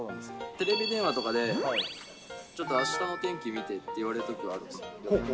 テレビ電話とかで、ちょっとあしたの天気見てって言われるときはあるんですよ。